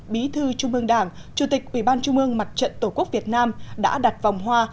bí thư trung ương đảng chủ tịch ủy ban trung ương mặt trận tổ quốc việt nam đã đặt vòng hoa